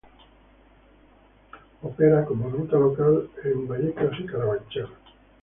Opera como ruta local en el Bronx y Uptown Manhattan.